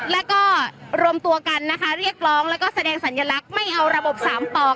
แล้วก็รวมตัวกันนะคะเรียกร้องแล้วก็แสดงสัญลักษณ์ไม่เอาระบบสามปอก